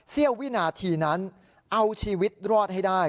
เสี้ยววินาทีนั้นเอาชีวิตรอดให้ได้